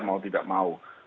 mau tidak mau